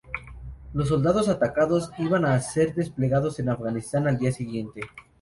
Los soldados atacados iban a ser desplegados en Afganistán al día siguiente.